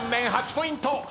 ９ポイント。